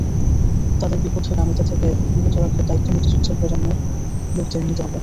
তাদের বিপথগামিতা থেকে বিরত রাখার দায়িত্ব মুক্তিযুদ্ধের প্রজন্মের লোকদের নিতে হবে।